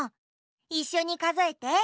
いっしょにかぞえて。